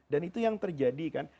dan itu yang terjadi kan